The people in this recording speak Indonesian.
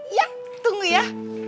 iya tunggu ya